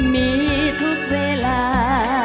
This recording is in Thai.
มีทุกเวลา